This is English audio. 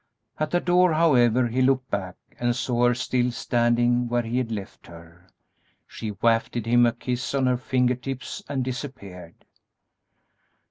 At the door, however, he looked back and saw her still standing where he had left her. She wafted him a kiss on her finger tips and disappeared.